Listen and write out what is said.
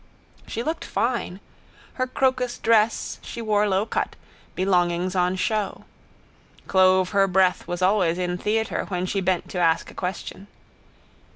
She looked fine. Her crocus dress she wore lowcut, belongings on show. Clove her breath was always in theatre when she bent to ask a question.